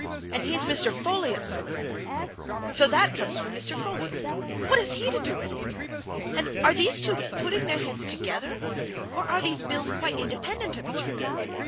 And he's Mr. Folliot's solicitor! So that comes from Mr. Folliot. What has he to do with it? And are these two putting their heads together or are these bills quite independent of each other?